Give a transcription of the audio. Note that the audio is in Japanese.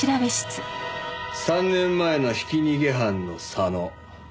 ３年前のひき逃げ犯の佐野。